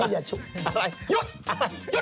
อย่าชุบ